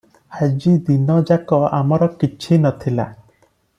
ଆଜି ଦିନଯାକ ଆମର କିଛି ନ ଥିଲା ।